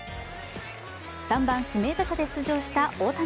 ３番・指名打者で出場した大谷。